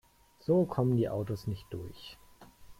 So kommen die Autos nicht durch.